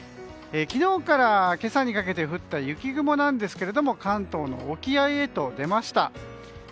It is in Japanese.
昨日から今朝にかけて降った雪雲なんですが関東の沖合へと出ました。